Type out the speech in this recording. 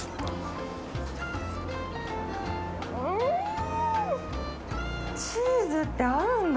うーん、チーズって合うんだ。